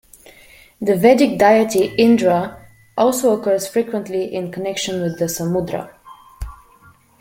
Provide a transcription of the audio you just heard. The Vedic deity Indra also occurs frequently in connection with the Samudra.